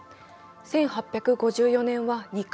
１８５４年は２回。